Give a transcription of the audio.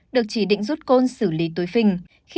được chỉ định rút côn xử lý túi phình